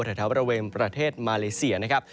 แถวบริเวณประเทศมาเลเซียนะครับ